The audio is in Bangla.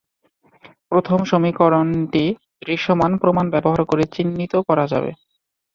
প্রথম সমীকরণটি দৃশ্যমান প্রমাণ ব্যবহার করে চিত্রিত করা যাবে।